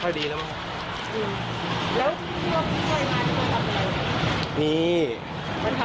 แล้วที่พี่ยอมพิเศษมาที่นี่ทำอะไร